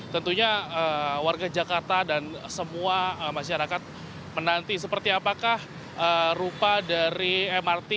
tentunya warga jakarta dan semua masyarakat menanti seperti apakah rupa dari mrt